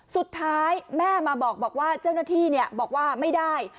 สุดท้ายแม่มาบอกว่าเจ้าหน้าที่บอกว่าไม่ได้